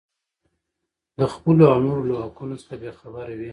د خپلو او نورو له حقونو څخه بې خبره وي.